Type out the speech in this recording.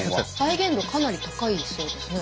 再現度かなり高いそうですね。